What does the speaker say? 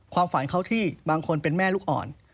ความฝันเขาที่บางคนเป็นแม่ลูกอ่อน